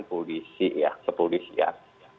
polisi ya sepolisian